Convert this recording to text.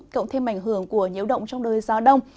cộng thêm ảnh hưởng của nhiễu động trong đời gió đông